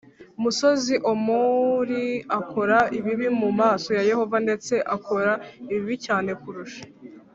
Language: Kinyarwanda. Musozi omuri akora ibibi mu maso ya yehova ndetse akora ibibi cyane kurusha